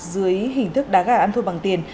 dưới hình thức đá gà ăn thu bằng tiền